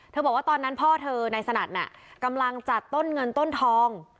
บอกว่าตอนนั้นพ่อเธอนายสนัดน่ะกำลังจัดต้นเงินต้นทอง